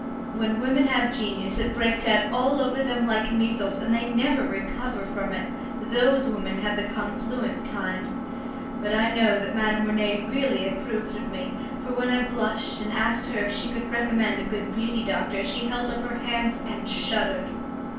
When women have genius it breaks out all over them like measles, and they never recover from it; those women had the confluent kind. But I know that Madame Rene really approved of me, for when I blushed and asked her if she could recommend a good beauty doctor she held up her hands and shuddered.